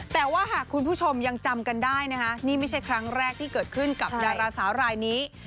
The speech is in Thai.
แต่ว่าหากคุณผู้ชมยังจำกันได้นะคะนี่ไม่ใช่ครั้งแรกที่เกิดขึ้นกับดาราสาวรายนี้